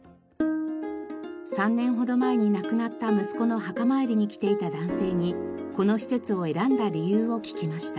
３年ほど前に亡くなった息子の墓参りに来ていた男性にこの施設を選んだ理由を聞きました。